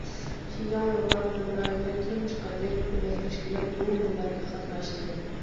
شىنجاڭ ئۇيغۇر ئاپتونوم رايونى تۇنجى قېتىم ئۆمەك تەشكىللەپ بۇ مۇنبەرگە قاتناشتى.